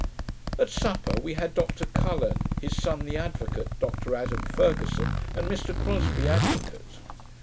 At supper we had Dr Cullen, his son the advocate, Dr Adam Fergusson, and Mr Crosbie, advocate.